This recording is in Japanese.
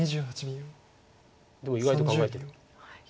でも意外と考えてる。